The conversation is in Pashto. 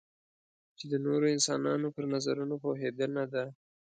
چې د نورو انسانانو پر نظرونو پوهېدنه ده.